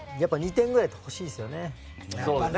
２点ぐらい欲しいですよね。